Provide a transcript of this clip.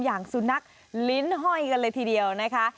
อย่างสุนัขลิ้นห้อยกันเลยทีเดียวนะคะ